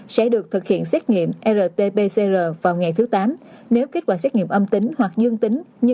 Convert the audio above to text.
sẽ được thực hiện xét nghiệm rt pcr vào ngày thứ tám nếu kết quả xét nghiệm âm tính hoặc dương tính như